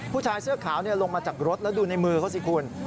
ผู้ชายเสื้อขาวลงมาจากรถแล้วดูในมือเขาสิคุณ